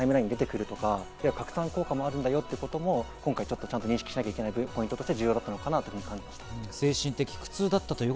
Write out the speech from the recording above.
するとタイムライン出てくるとか、拡散効果もあるんだよということも今回ちゃんと認識しなきゃいけないポイントとして重要だったかなと思います。